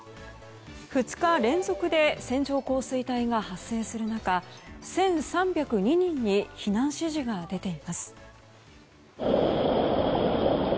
２日連続で線状降水帯が発生する中１３０２人に避難指示が出ています。